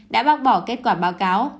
đã bác bỏ kết quả báo cáo